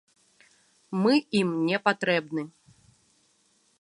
Мы ім не патрэбны.